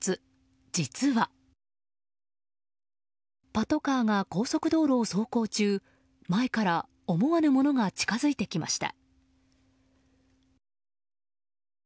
パトカーが高速道路を走行中前から思わぬものが近づいてきました。